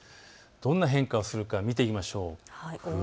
どんな変化をするのか見てみましょう。